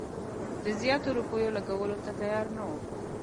د زیاتو روپیو لګولو ته تیار نه وو.